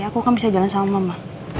aku akan bisa jalan sama mama